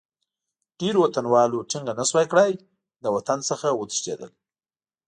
ډېرو وطنوالو ټینګه نه شوای کړای، له وطن څخه وتښتېدل.